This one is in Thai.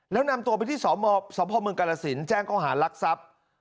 แล้วนำตัวไปที่สพกรสินฮะแจ้งเข้าหาลักทรัพย์